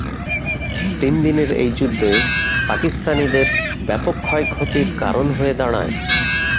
তিন দিনের এই যুদ্ধে পাকিস্তানিদের ব্যাপক ক্ষয়-ক্ষতির কারণ হয়ে দাঁড়ায়।